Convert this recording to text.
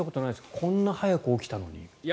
こんな早く起きたのにって。